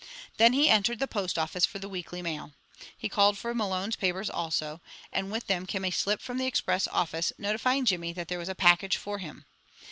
Then he entered the post office for the weekly mail. He called for Malone's papers also, and with them came a slip from the express office notifying Jimmy that there was a package for him.